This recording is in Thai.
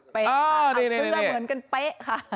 เป๊ะค่ะเอาเสื้อเหมือนกันเป๊ะค่ะ